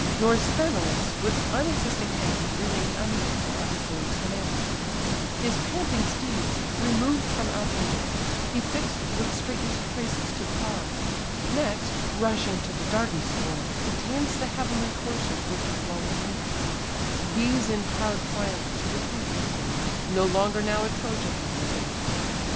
Nor Sthenelus, with unassisting hands, Remain'd unheedful of his lord's commands: His panting steeds, removed from out the war, He fix'd with straiten'd traces to the car, Next, rushing to the Dardan spoil, detains The heavenly coursers with the flowing manes: These in proud triumph to the fleet convey'd, No longer now a Trojan lord obey'd.